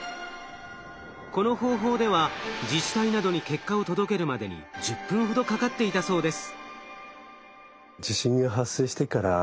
この方法では自治体などに結果を届けるまでに１０分ほどかかっていたそうです。